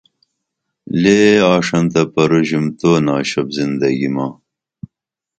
لے آݜنتہ پروژُم تو ناشوپ زندگی ما